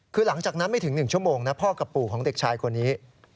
คือหลังจากนั้นไม่ถึง๑ชั่วโมงนะพ่อกับปู่ของเด็กชายคนนี้